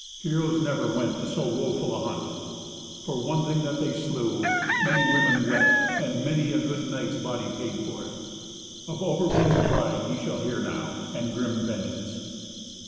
Heroes never went to so woeful a hunt. For one thing that they slew, many women wept, and many a good knight's body paid for it. Of overweening pride ye shall hear now, and grim vengeance.